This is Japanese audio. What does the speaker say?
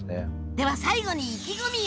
では最後に意気込みを！